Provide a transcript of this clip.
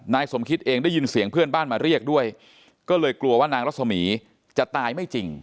นายสมคิตเองได้ยินเสียงเพื่อนบ้านมาเรียกด้วยก็เลยกลัวว่านางรัศมีร์จะตายไม่จริง